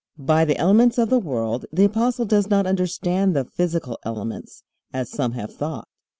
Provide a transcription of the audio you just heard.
By the elements of the world the Apostle does not understand the physical elements, as some have thought.